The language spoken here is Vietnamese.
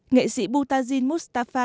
nghệ sĩ boutazine moustapha